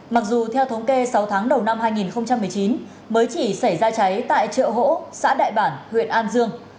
mặc dù theo thống kê sáu tháng đầu năm hai nghìn một mươi chín mới chỉ xảy ra cháy tại chợ hỗ xã đại bản huyện an dương